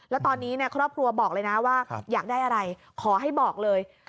แล้วตอนนี้ครอบครัวบอกเลยนะว่าอยากได้อะไรขอให้บอกเลย